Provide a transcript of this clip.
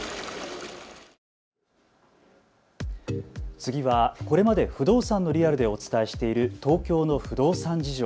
次はこれまで不動産のリアルでお伝えしている東京の不動産事情。